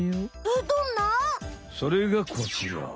それがこちら！